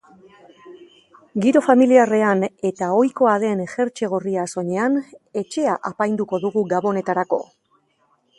Giro familiarrenean eta ohikoa den jertse gorria soinean, etxea apainduko dugu gabonetarako.